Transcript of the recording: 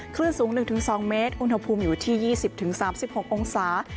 คลื่นสูง๑๒เมตรอุณหภูมิอยู่ที่๒๐๓๖องศา